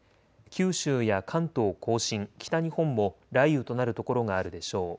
九州や関東甲信、北日本も雷雨となる所があるでしょう。